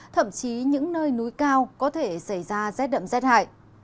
thậm chí những nơi núi cao có thể xảy ra rét đậm rét hại